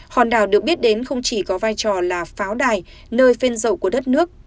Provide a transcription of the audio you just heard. hòn đảo được biết đến không chỉ có vai trò là pháo đài nơi phên dậu của đất nước